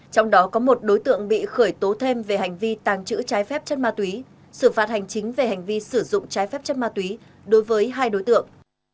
trong đó có một đối tượng bị khởi tố thêm về hành vi tàng trữ trái phép chất ma túy xử phạt hành chính về hành vi sử dụng trái phép chất ma túy đối với hai đối tượng